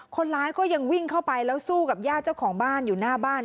ก็ยังวิ่งเข้าไปแล้วสู้กับญาติเจ้าของบ้านอยู่หน้าบ้าน